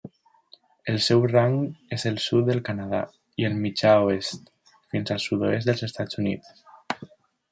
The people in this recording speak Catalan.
El seu rang és el sud del Canadà i el mitjà oest, fins al sud-oest dels Estats Units.